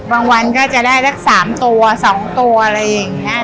บางวันก็จะได้สักสามตัวสองตัวอะไรอย่างงี้นะ